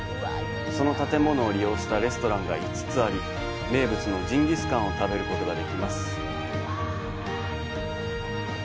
その建物を利用したレストランが５つあり名物のジンギスカンを食べることができます。